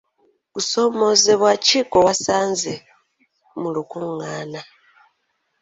Kusoomozebwa ki kwe wasanze mu lukungaana?